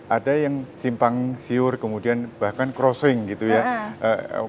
ada yang simpang siur kemudian bahkan crossing gitu ya menuju pilihan yang mana nafas